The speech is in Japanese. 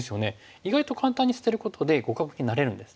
意外と簡単に捨てることで互角になれるんです。